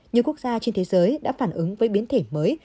nhiều quốc gia trên thế giới đã phản ứng với biến thể mới